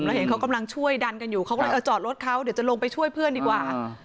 เห็นเขากำลังช่วยดันกันอยู่เขาก็เลยเออจอดรถเขาเดี๋ยวจะลงไปช่วยเพื่อนดีกว่า